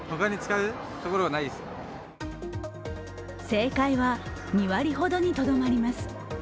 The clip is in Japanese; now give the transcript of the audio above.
正解は２割ほどにとどまります。